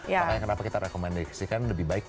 makanya kenapa kita rekomendasikan lebih baik